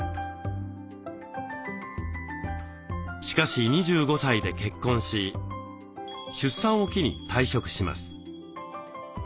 しかし２５歳で結婚し出産を機に退職します。